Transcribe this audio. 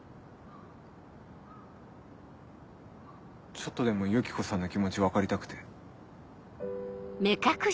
ちょっとでもユキコさんの気持ち分かりたくて。